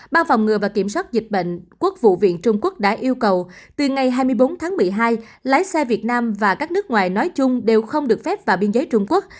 ban phòng ngừa và kiểm soát dịch bệnh quốc vụ viện trung quốc đã yêu cầu từ ngày hai mươi bốn tháng một mươi hai lái xe việt nam và các nước ngoài nói chung đều không được phép vào biên giới trung quốc